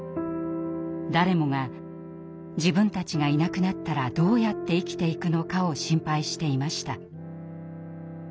誰もが自分たちがいなくなったらどうやって生きていくのかを心配していました。